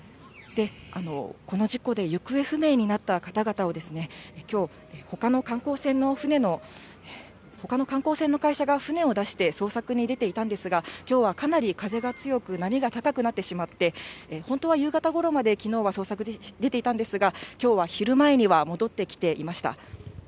この事故で行方不明になった方々を、きょう、ほかの観光船の船のほかの観光船の会社が船を出して捜索に出ていたんですが、きょうはかなり風が強く、波が高くなってしまって、本当は夕方ごろまできのうは捜索に出ていたんですが、きょうは昼前には戻ってきていました。